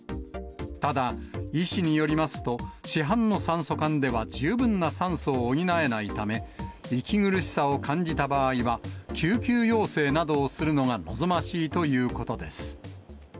ただ、医師によりますと、市販の酸素缶では十分な酸素を補えないため、息苦しさを感じた場合は、救急要請などをするのが望ましいということです。